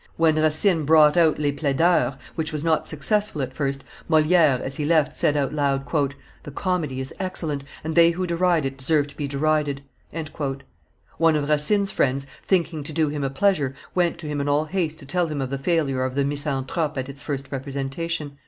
When Racine brought out Les Plaideurs, which was not successful at first, Moliere, as he left, said out loud, "The comedy is excellent, and they who deride it deserve to be derided." One of Racine's friends, thinking to do him a pleasure, went to him in all haste to tell him of the failure of the Misanthrope at its first representation.